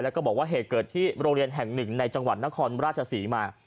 แล้วก็บอกว่าเหตุเกิดที่โรงเรียนแห่งหนึ่งในจังหวัดนครราชศรีมา